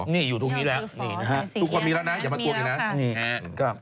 นี่อยู่ตรงนี้แหละตรงความมีแล้วนะอย่ามากลัวแบบนี้นะนี่นะครับ